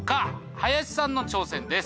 林さんの挑戦です。